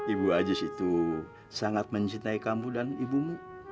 ibu ajis itu sangat mencintai kamu dan ibumu